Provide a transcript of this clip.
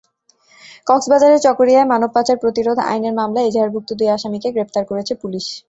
কক্সবাজারের চকরিয়ায় মানবপাচার প্রতিরোধ আইনের মামলায় এজাহারভুক্ত দুই আসামিকে গ্রেপ্তার করেছে পুলিশ।